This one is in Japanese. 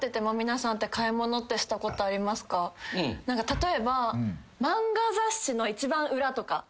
例えば。